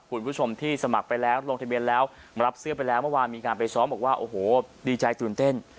คุณผู้ชมที่สมัครไปแล้วลงทะเบียนแล้วรับเสื้อไปแล้วเมื่อวานมีการไปซ้อมบอกว่าโอ้โหดีใจตื่นเต้น